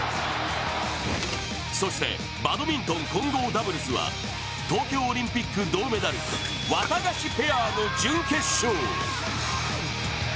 そして、バドミントン混合ダブルスは東京オリンピック銅メダル、ワタガシペアの準決勝。